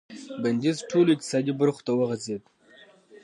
بندیز ټولو اقتصادي برخو ته وغځېد.